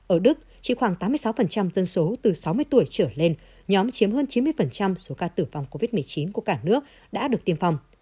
ở đức chỉ khoảng tám mươi sáu dân số từ sáu mươi tuổi trở lên nhóm chiếm hơn chín mươi số ca tử vong covid một mươi chín của cả nước đã được tiêm phòng